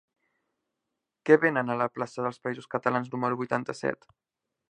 Què venen a la plaça dels Països Catalans número vuitanta-set?